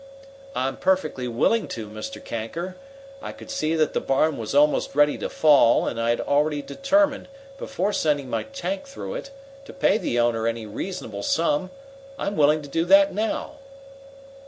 "I'm perfectly willing to, Mr. Kanker. I could see that the barn was almost ready to fall, and I had already determined, before sending my tank through it, to pay the owner any reasonable sum. I am willing to do that now."